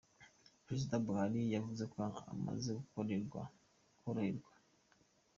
Perezida Buhari yavuze ko amaze koroherwa.